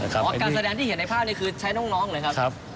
เพราะการแสดงที่เห็นในภาพนี้คือใช้น้องเลยครับ